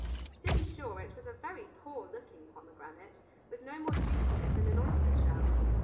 To be sure it was a very poor looking pomegranate, with no more juice in it than in an oyster shell.